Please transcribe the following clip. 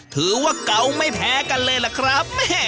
ถือว่าเก่าไม่แพ้กันเลยล่ะครับ